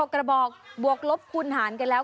กระบอกบวกลบคูณหารกันแล้ว